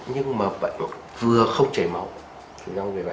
nhưng mà vừa không chảy máu